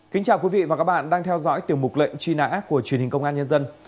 kính chào quý vị và các bạn đang theo dõi tiểu mục lệnh truy nã của truyền hình công an nhân dân